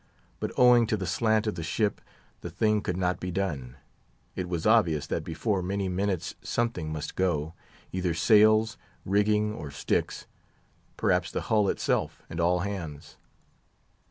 But, owing to the slant of the ship, the thing could not be done. It was obvious that before many minutes something must go—either sails, rigging, or sticks; perhaps the hull itself, and all hands.